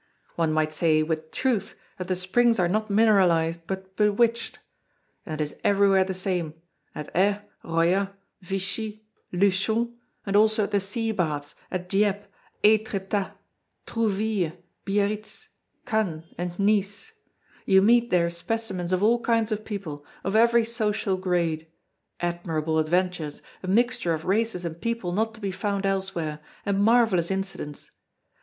One might say with truth that the springs are not mineralized but bewitched. And it is everywhere the same, at Aix, Royat, Vichy, Luchon, and also at the sea baths, at Dieppe, Étretat, Trouville, Biarritz, Cannes, and Nice. You meet there specimens of all kinds of people, of every social grade admirable adventures, a mixture of races and people not to be found elsewhere, and marvelous incidents.